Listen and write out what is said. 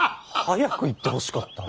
早く言ってほしかった。